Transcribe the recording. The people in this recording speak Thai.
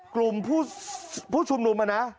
กลุ่มผู้ชุมนุมนะ